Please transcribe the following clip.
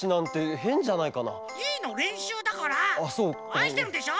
あいしてるんでしょ？